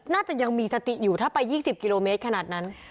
น่าจะยังมีสติอยู่ถ้าไป๒๐กิโลเมตรขนาดนั้น